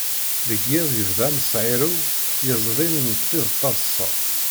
Deg yiḍ yebda asemɛirew yezdin imeṭṭi d taḍṣa.